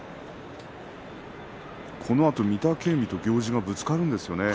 このあと御嶽海と行司がぶつかるんですよね。